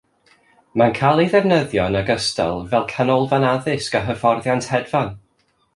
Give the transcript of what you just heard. Mae'n cael ei ddefnyddio yn ogystal fel canolfan addysg a hyfforddiant hedfan.